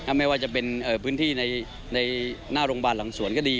ไม่ว่าจะเป็นพื้นที่ในหน้าโรงพยาบาลหลังสวนก็ดี